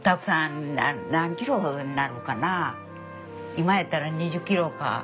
今やったら２０キロか。